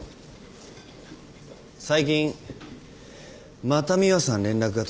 最近また美羽さん連絡が取れないんだよな。